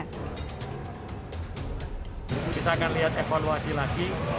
kita akan lihat evaluasi lagi